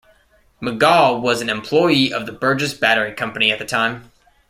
McGall was an employee of the Burgess Battery Company at the time.